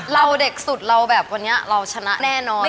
เด็กสุดเราแบบวันนี้เราชนะแน่นอน